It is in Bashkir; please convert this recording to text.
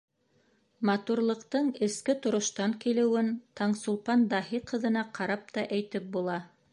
Матурлыҡтың эске тороштан килеүен Таңсулпан Даһи ҡыҙына ҡарап та әйтеп була.